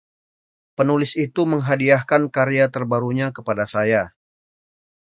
Penulis itu menghadiahkan karya terbarunya kepada saya.